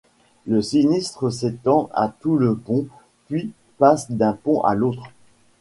Le sinistre s'étend à tout le pont puis passe d'un pont à l'autre.